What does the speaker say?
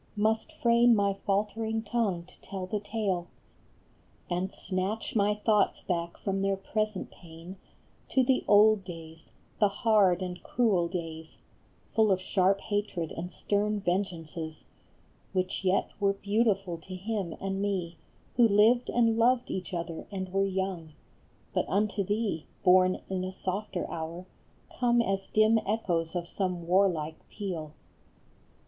Must frame my faltering tongue to tell the tale, And snatch my thoughts back from their present pain To the old days, the hard and cruel days, Full of sharp hatred and stern vengeances, Which yet were beautiful to him and me Who lived and loved each other and were young ; But unto thee, born in a softer hour, Come as dim echoes of some warlike peal.